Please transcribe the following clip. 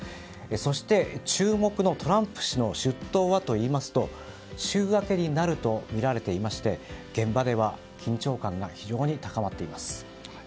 そして、注目のトランプ氏の出頭はといいますと週明けになるとみられていまして現場では緊張感が非常に高まっています。